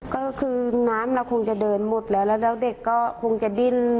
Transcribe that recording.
ก็คือน้ำเราคงจะเดินหมดแล้วแล้วเด็กก็คงจะดิ้น